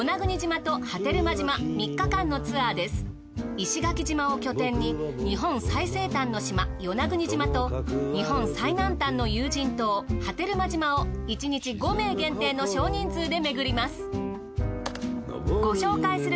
石垣島を拠点に日本最西端の島与那国島と日本最南端の有人島波照間島を１日５名限定の少人数で巡ります。